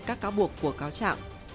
các cáo buộc của cáo trạng